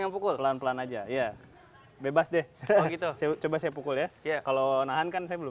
yang mempelajari gerak gerik monyet